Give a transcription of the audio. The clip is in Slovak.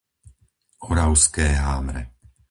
Oravské Hámre